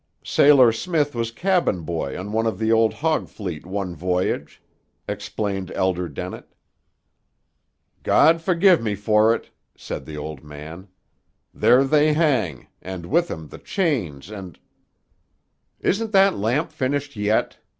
"Sailor Smith was cabin boy on one of the old Hogg fleet one voyage," explained Elder Dennett. "God forgive me for it!" said the old man. "There they hang; and with 'em the chains and—" "Isn't that lamp finished yet?"